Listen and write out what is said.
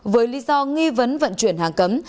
với lý do nghi vấn vận chuyển hàng cấm